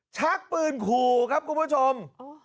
ชักปืนขู่ครับคุณผู้ชม